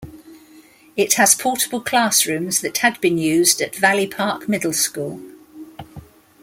It has portable classrooms that had been used at Valley Park Middle School.